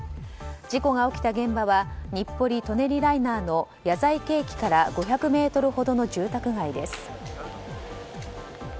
事故が起きた現場は日暮里・舎人ライナーの谷在家駅から５００ｍほどの住宅街です。